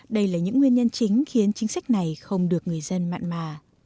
đây là những nguyên nhân chính khiến chính sách này không được người dân mạng mà